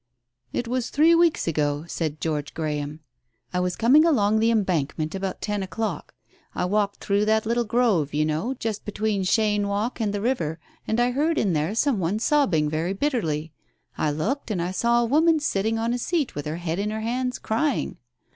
"It was three weeks ago," said George Graham. "I was coming along the Embankment about ten o'clpck. I walked through that little grove, you know, just between Cheyne Walk and the river, and I heard in there some one sobbing very bitterly. I looked and saw a woman sitting on a seat, with her head in her hands, crying.